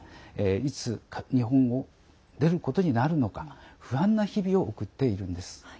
いつ日本を出ることになるのか不安な日々を送っているんです。